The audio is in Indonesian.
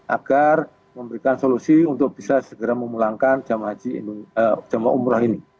agar memberikan solusi untuk bisa segera memulangkan jemaah umroh ini